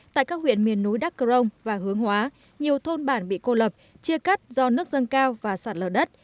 tại các huyện miền núi đắk cơ rông và hướng hóa nhiều thôn bản bị cô lập chia cắt do nước dâng cao và sạt lở đất